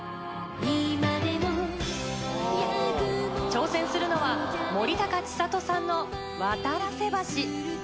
挑戦するのは森高千里さんの『渡良瀬橋』。